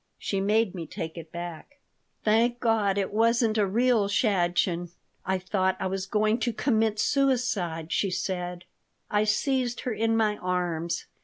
She made me take it back "Thank God it wasn't a real shadchen! I thought I was going to commit suicide," she said I seized her in my arms.